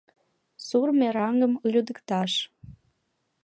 Сур мераҥым лӱдыкташ.